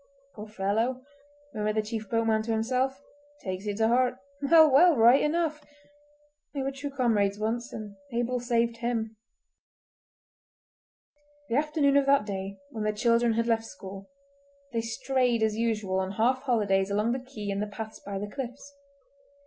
"Poor fellow!" murmured the chief boatman to himself; "he takes it to heart. Well, well! right enough! They were true comrades once, and Abel saved him!" The afternoon of that day, when the children had left school, they strayed as usual on half holidays along the quay and the paths by the cliffs.